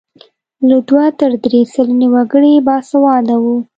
له دوه تر درې سلنې وګړي باسواده وو.